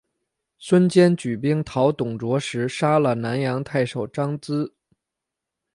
孙坚举兵讨董卓时杀了南阳太守张咨。